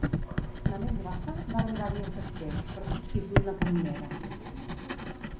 La més grossa va arribar dies després, per substituir la canonera.